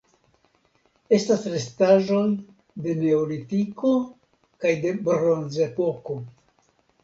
Estas restaĵoj de Neolitiko kaj de Bronzepoko.